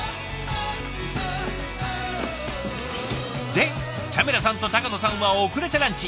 でチャミラさんと野さんは遅れてランチ。